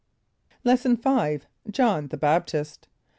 = Lesson V. John the Baptist.